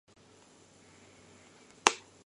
Lebbi noy gaɗɗa haa ton ?